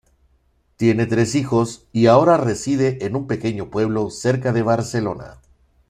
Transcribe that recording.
Tiene tres hijos y ahora reside en un pequeño pueblo cerca de Barcelona.